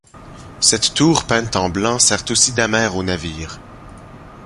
Cette tour peinte en blanc sert aussi d'amer aux navires.